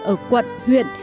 ở quận huyện